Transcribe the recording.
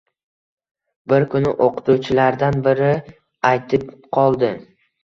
Bir kuni o‘qituvchilardan biri aytib qoldi.